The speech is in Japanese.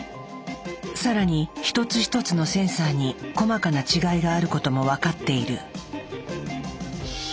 更に一つ一つのセンサーに細かな違いがあることも分かっている。